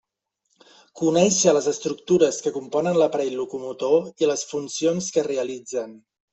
Conéixer les estructures que componen l'aparell locomotor i les funcions que realitzen.